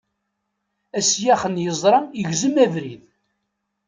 Asyax n yeẓṛa igzem abrid.